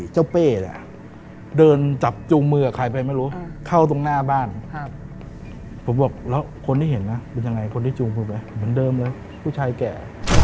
เป้เนี่ยเดินจับจูงมือกับใครไปไม่รู้เข้าตรงหน้าบ้านผมบอกแล้วคนที่เห็นนะเป็นยังไงคนที่จูงมือไหมเหมือนเดิมเลยผู้ชายแก่